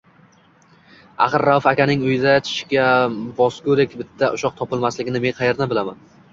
Axir Rauf akaning uyida tishga bosgudek bitta ushoq topilmasligini men qayerdan bilibman.